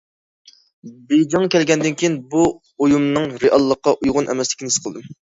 بېيجىڭغا كەلگەندىن كېيىن، بۇ ئويۇمنىڭ رېئاللىققا ئۇيغۇن ئەمەسلىكىنى ھېس قىلدىم.